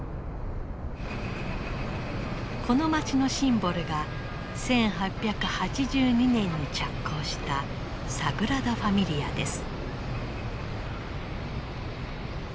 この町のシンボルが１８８２年に着工したサグラダ・ファミリアです。